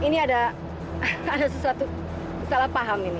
dia yang sangat buruk